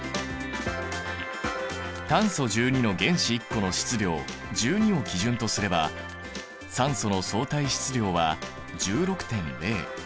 炭素１２の原子１個の質量１２を基準とすれば酸素の相対質量は１６．０。